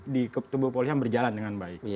di tubuh polisian berjalan dengan baik